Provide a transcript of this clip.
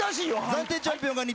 暫定チャンピオンの勝利。